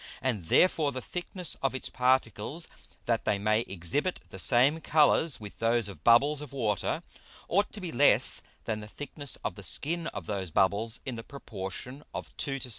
And therefore the Thickness of its Particles, that they may exhibit the same Colours with those of Bubbles of Water, ought to be less than the Thickness of the Skin of those Bubbles in the Proportion of 2 to 7.